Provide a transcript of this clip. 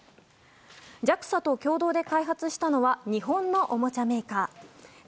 ＪＡＸＡと共同で開発したのは日本のおもちゃメーカー。